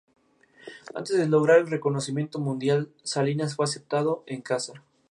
Antes de lograr el reconocimiento mundial, Salinas fue aceptado en casa.